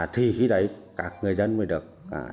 thì khi đấy các người dân mới được